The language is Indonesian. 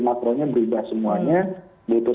makronya berubah semuanya butuh